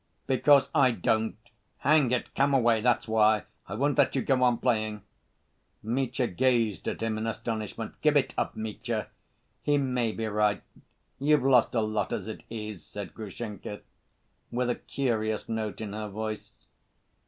"Because I don't. Hang it, come away. That's why. I won't let you go on playing." Mitya gazed at him in astonishment. "Give it up, Mitya. He may be right. You've lost a lot as it is," said Grushenka, with a curious note in her voice.